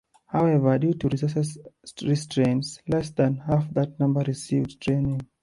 However, due to resource restraints, less than half that number received training.